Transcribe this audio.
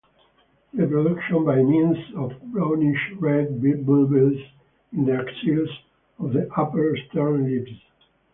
Reproduction by means of brownish-red bulbils in the axils of the upper stern leaves.